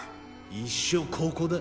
一生ここだ。